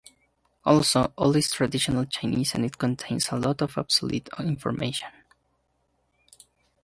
Also, all is traditional Chinese and it contains a lot of obsolete information.